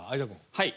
はい！